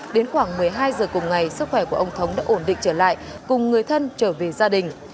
đến khoảng một mươi hai giờ cùng ngày sức khỏe của ông thống đã ổn định trở lại cùng người thân trở về gia đình